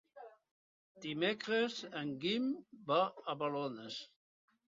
Dimecres en Guim va a Balones.